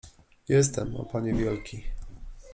— Jestem, o panie wielki.